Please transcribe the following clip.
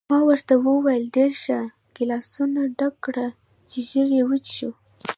ما ورته وویل: ډېر ښه، ګیلاسونه ډک کړه چې ژر وڅښو.